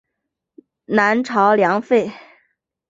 南朝梁废。